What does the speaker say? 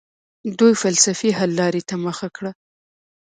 دوی فلسفي حل لارې ته مخه کړه.